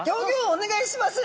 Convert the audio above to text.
お願いします！